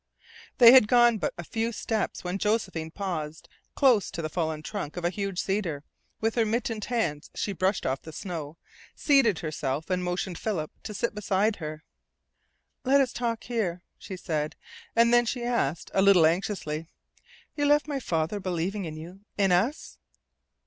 They had gone but a few steps when Josephine paused close to the fallen trunk of a huge cedar. With her mittened hands she brushed off the snow, seated herself, and motioned Philip to sit beside her. "Let us talk here," she said. And then she asked, a little anxiously, "You left my father believing in you in us?"